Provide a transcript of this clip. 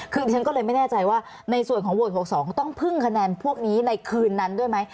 คือดิฉันก็เลยไม่แน่ใจว่าในส่วนของโหวต๖๒ต้องพึ่งคะแนนพวกนี้ในคืนนั้นด้วยไหม